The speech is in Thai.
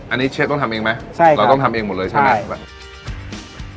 อันนี้เชฟต้องทำเองไหมใช่เราต้องทำเองหมดเลยใช่ไหม